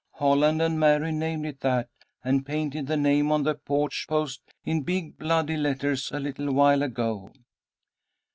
Holland and Mary named it that, and painted the name on the porch post in big bloody letters a little while ago.